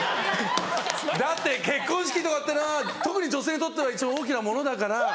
だって結婚式とかってのは特に女性にとっては一番大きなものだから。